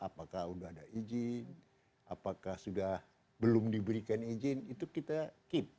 apakah sudah ada izin apakah sudah belum diberikan izin itu kita keep